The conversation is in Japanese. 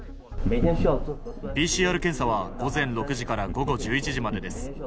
ＰＣＲ検査は午前６時から午後１１時までです。